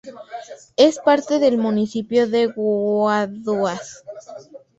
Es parte del Municipio de Guaduas.